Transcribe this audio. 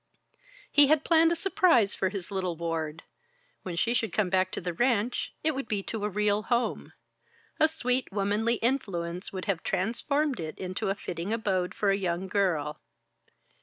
He had planned a surprise for his little ward. When she should come back to the ranch, it would be to a real home. A sweet, womanly influence would have transformed it into a fitting abode for a young girl.